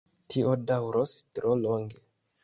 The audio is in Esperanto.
Tio daŭros tro longe!